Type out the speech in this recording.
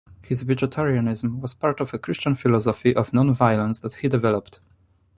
His vegetarianism was part of a Christian philosophy of non-violence that he developed.